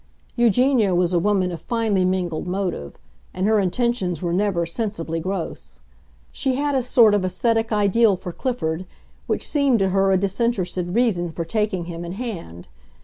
Eugenia was a woman of finely mingled motive, and her intentions were never sensibly gross. She had a sort of aesthetic ideal for Clifford which seemed to her a disinterested reason for taking him in hand.